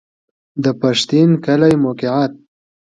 د پښتین کلی موقعیت